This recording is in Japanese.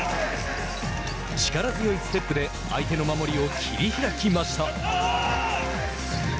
力強いステップで相手の守りを切り開きました。